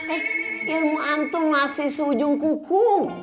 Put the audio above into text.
eh ilmu antu masih seujung kuku